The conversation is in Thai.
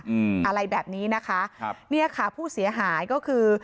อืมอะไรแบบนี้นะคะครับเนี่ยค่ะผู้เสียหายก็คือ